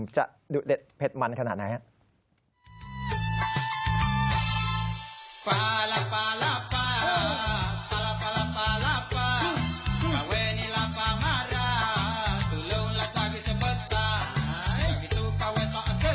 จะดูเด็ดเผ็ดมันขนาดไหน